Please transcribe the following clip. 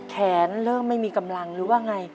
เริ่มไม่มีกำลังหรือว่าไง